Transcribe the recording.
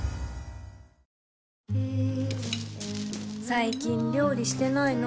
最近料理してないの？